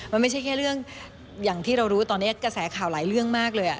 มันไม่ใช่แค่เรื่องอย่างที่เรารู้ตอนนี้กระแสข่าวหลายเรื่องมากเลย